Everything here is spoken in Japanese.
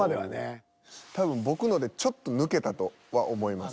多分僕のでちょっと抜けたとは思います。